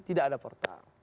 tidak ada portal